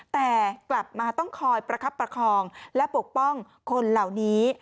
แต่กลับมาต้องคอยประคับประคองและปกป้องคนเหล่านี้